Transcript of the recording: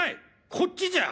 こっちじゃ！